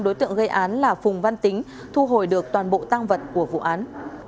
đối tượng gây án là phùng văn tính thu hồi được toàn bộ tăng vật của vụ án